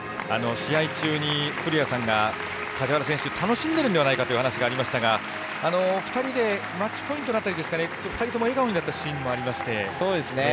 試合中に古屋さんが梶原選手、楽しんでいるのではないかという話がありましたが２人でマッチポイントの辺りで２人とも笑顔になったシーンもあって。